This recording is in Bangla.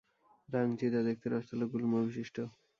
রাং চিতা দেখতে রসালো গুল্ম বিশিষ্ট।